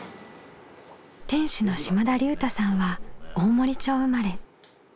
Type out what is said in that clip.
店主の島田竜太さんは大森町生まれ。